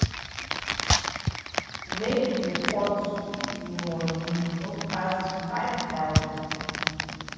Make the pot yi moni no pass five thousand.